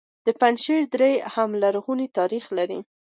د پنجشیر درې هم لرغونی تاریخ لري